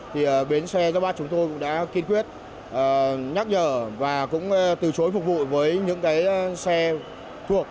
thì bến xe giáp bát chúng tôi cũng đã kiên quyết nhắc nhở và cũng từ chối phục vụ với những cái xe thuộc